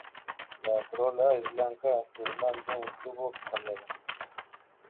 La corola es blanca, formando un tubo acampanado.